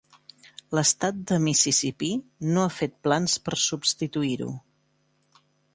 L'estat de Mississippí no ha fet plans per substituir-ho.